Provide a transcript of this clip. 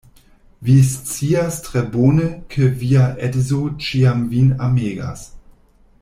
Vi scias tre bone, ke via edzo ĉiam vin amegas.